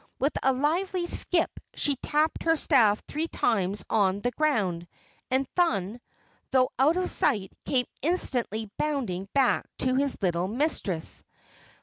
With a lively skip she tapped her staff three times on the ground, and Thun, though out of sight, came instantly bounding back to his little mistress.